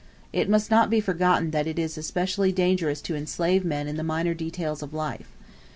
It must not be forgotten that it is especially dangerous to enslave men in the minor details of life.